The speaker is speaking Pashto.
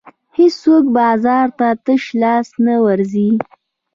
هېڅوک بازار ته تش لاس نه ورځي.